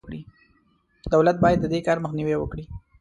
دولت باید د دې کار مخنیوی وکړي.